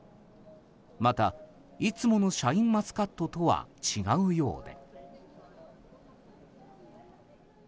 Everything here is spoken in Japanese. また、いつものシャインマスカットとは違うようで。